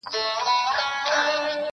ډک جامونه صراحي ده که صهبا دی,